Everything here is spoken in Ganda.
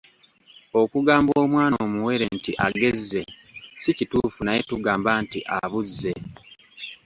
Okugamba omwana omuwere nti agezze si kituufu naye tugamba nti abuzze.